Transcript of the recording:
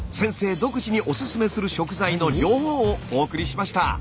独自におすすめする食材の両方をお送りしました。